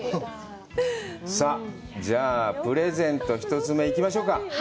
じゃあ、プレゼント、１つ目行きましょうか。